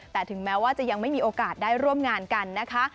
แต่ถึงแม้ว่าจะยังไม่มีโอกาสได้ร่วมงานกันนะคะ